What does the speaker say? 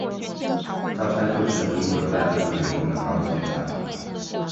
招差术是中国古代数学中的高次内插法。